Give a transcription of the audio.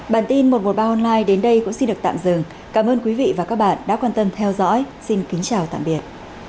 bản tin một trăm một mươi ba online đến đây cũng xin được tạm dừng cảm ơn quý vị và các bạn đã quan tâm theo dõi xin kính chào tạm biệt